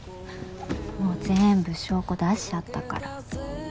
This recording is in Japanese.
もう全部証拠出しちゃったから。